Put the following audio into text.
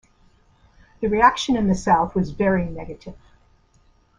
The reaction in the South was very negative.